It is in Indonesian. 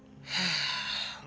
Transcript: lo tuh dah seri